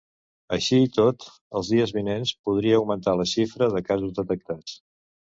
Així i tot, els dies vinents podria augmentar la xifra de casos detectats.